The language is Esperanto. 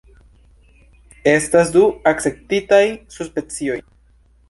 Estas du akceptitaj subspecioj.